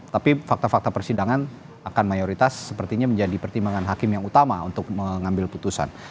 tapi fakta fakta persidangan akan mayoritas sepertinya menjadi pertimbangan hakim yang utama untuk mengambil putusan